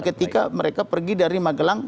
ketika mereka pergi dari magelang